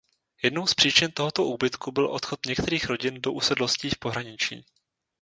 Jednou z příčin tohoto úbytku byl odchod některých rodin do usedlostí v pohraničí.